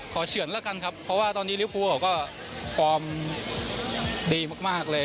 เฉือนแล้วกันครับเพราะว่าตอนนี้ริวภูเขาก็ฟอร์มดีมากเลย